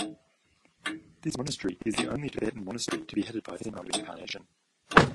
This monastery is the only Tibetan monastery to be headed by a female re-incarnation.